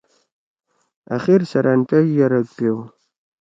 أخر سیرأن پیش یَرَگ پیؤ۔